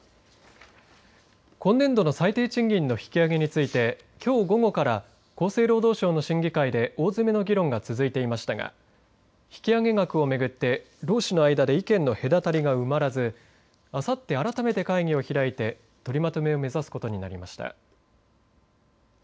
今年度の最低賃金の引き上げについてきょう午後から厚生労働省の審議会で大詰めの議論が続いていましたが引き上げ額を巡って、労使の間で意見の隔たりが埋まらずあさって改めて会議を開いて取りまとめを目指すことになりました。